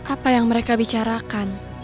apa yang mereka bicarakan